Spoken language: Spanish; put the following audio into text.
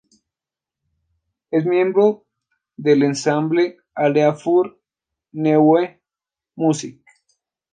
Es miembro del "Ensemble Alea für neue Musik".